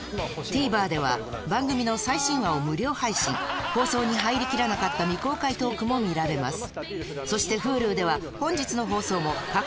ＴＶｅｒでは番組の最新話を無料配信放送に入りきらなかった未公開トークも見られます